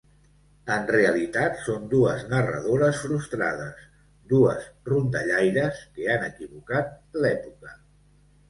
En realitat són dues narradores frustrades, dues rondallaires que han equivocat l'època.